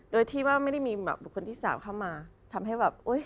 โดยที่ว่าไม่ได้มีแบบคนที่สามารถเข้ามาทำให้แบบ